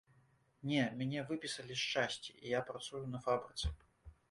— Не, мяне выпісалі з часці, і я працую на фабрыцы.